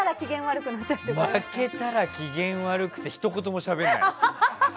負けたら機嫌悪くてひと言もしゃべらないよ。